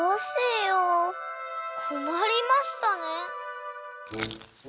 こまりましたね。